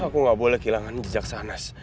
aku gak boleh kehilangan jejak shanas